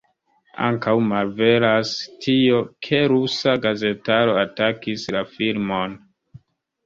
Ankaŭ malveras tio, ke rusa gazetaro atakis la filmon.